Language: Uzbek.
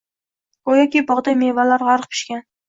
Go‘yoki bog’da mevalar g‘arq pishgan.